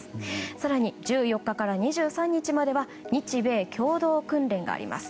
更に、１４日から２３日までは日米共同訓練があります。